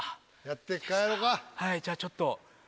はいじゃあちょっと。